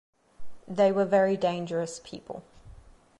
They were very dangerous people.